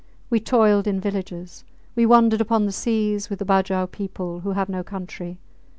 We toiled in villages; we wandered upon the seas with the Bajow people, who have no country.